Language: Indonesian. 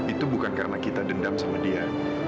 itu bukan karena kita dendam sama dia